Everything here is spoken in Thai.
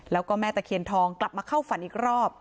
แล้วก็แม่ตะเคียนทองกลับมาเข้าฝันอีกรอบ